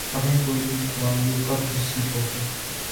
ہمیں کوئی لی کوآن یو کب نصیب ہوگا؟